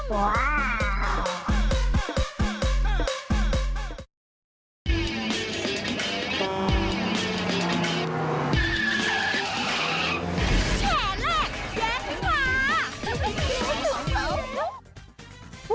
ว้าว